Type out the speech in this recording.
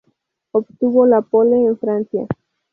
Obtuvo la pole en Francia.